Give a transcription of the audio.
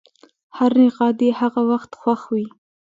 هر نقاد یې هغه وخت خوښ وي.